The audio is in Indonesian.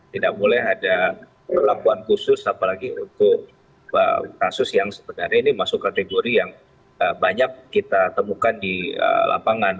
tidak boleh ada perlakuan khusus apalagi untuk kasus yang sebenarnya ini masuk kategori yang banyak kita temukan di lapangan